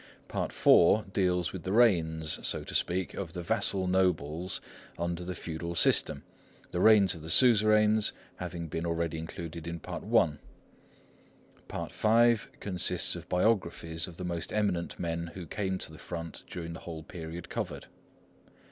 Part IV deals with the reigns, so to speak, of the vassal nobles under the feudal system, the reigns of the suzerains having been already included in Part I. Part V consists of biographies of the most eminent men who came to the front during the whole period covered.